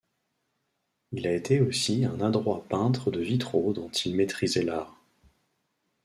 Il a été aussi un adroit peintre de vitraux dont il maîtrisait l'art.